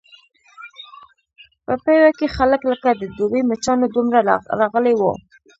په پېوه کې خلک لکه د دوبي مچانو دومره راغلي وو.